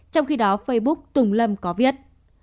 trong khi đó facebook tùng lâm có viết